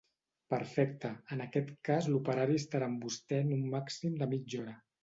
Perfecte, en aquest cas l'operari estarà amb vostè en un màxim de mitja hora.